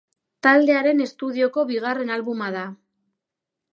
Taldearen estudioko bigarren albuma da.